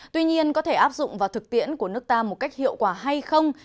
tuy nhiên có thể áp dụng vào thực tiễn của nước ta một cách hiệu quả hay không